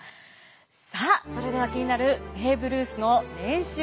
さあそれでは気になるベーブ・ルースの年収にまいります。